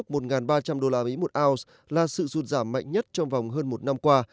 giá vàng thế giới mốc một ba trăm linh usd một ounce là sự rụt giảm mạnh nhất trong vòng hơn một năm qua